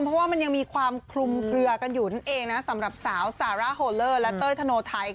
เพราะว่ามันยังมีความคลุมเคลือกันอยู่นั่นเองนะสำหรับสาวซาร่าโฮเลอร์และเต้ยธโนไทย